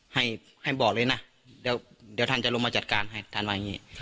ให้บอกเลยนะเดี๋ยวท่านจะลงมาจัดการให้ท่านว่าอย่างนี้